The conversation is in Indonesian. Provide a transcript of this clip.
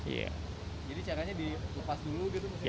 jadi caranya dilepas dulu gitu mesinnya